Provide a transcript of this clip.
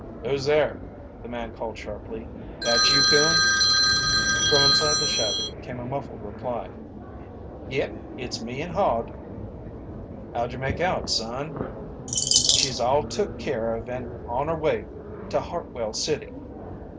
"Who's there?" the man called sharply. "That you, Coon?" From inside the shed came a muffled reply: "Yep, it's me and Hod." "How'd you make out, son?" "She's all took care of an' on 'er way to Hartwell City.